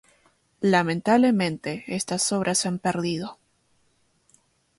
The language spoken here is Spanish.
Lamentablemente, estas obras se han perdido.